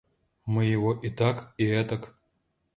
Мы его и так и этак...